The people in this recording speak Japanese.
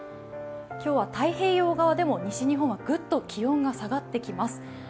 今日は太平洋側でも西日本グッと気温が下がってきます。